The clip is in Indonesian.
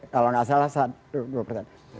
kalau tidak salah satu dua persen